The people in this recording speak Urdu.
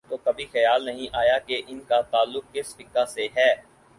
تو کبھی خیال نہیں آیا کہ ان کا تعلق کس فقہ سے ہے۔